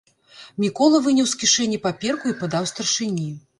Мікола выняў з кішэні паперку і падаў старшыні.